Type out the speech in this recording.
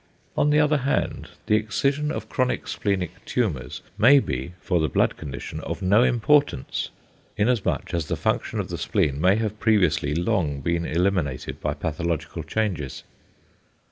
On the other hand, the excision of chronic splenic tumours may be for the blood condition of no importance inasmuch as the function of the spleen may have previously long been eliminated by pathological changes.